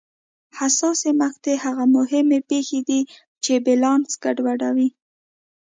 حساسې مقطعې هغه مهمې پېښې دي چې بیلانس ګډوډوي.